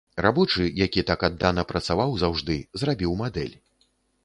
Рабочы, які так аддана працаваў заўжды, зрабіў мадэль.